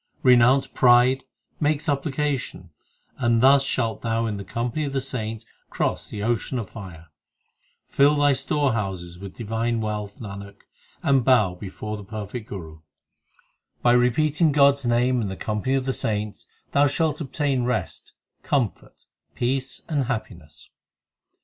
Renounce pride, make supplication, And thus shalt thou in the company of the saints cross the ocean of fire. Fill thy storehouses with divine wealth, Nanak, and bow before the perfect Guru. 2 By repeating God s name in the company of the saints, Thou shalt obtain rest, comfort, peace, and happiness.